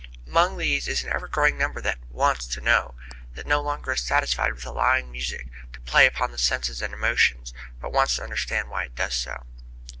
Among these is an ever growing number that "wants to know," that no longer is satisfied simply with allowing music to play upon the senses and the emotions, but wants to understand why it does so.